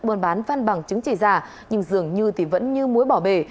buôn bán văn bằng chứng chỉ giả nhưng dường như thì vẫn như muối bỏ bể